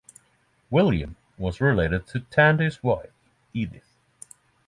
William was related to Tandey's wife Edith.